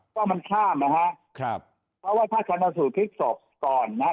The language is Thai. ก็มันข้ามนะฮะเพราะว่าถ้าธนสูตรภิกษกษ์ก่อนนะฮะ